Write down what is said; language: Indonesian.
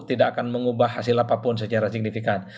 tidak akan mengubah hasil apapun secara signifikan